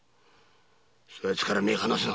そやつから目を離すな！